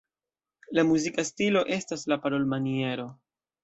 La muzika stilo estas la parolmaniero.